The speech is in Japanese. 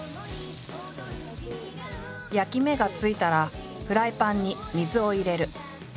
焼き目がついたらフライパンに水を入れる。